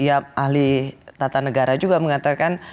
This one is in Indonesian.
ahli tata negara juga mengatakan